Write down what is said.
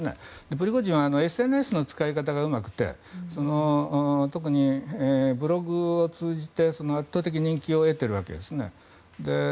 プリゴジンはＳＮＳの使い方がうまくて特にブログを通じて圧倒的人気を得ているわけですね。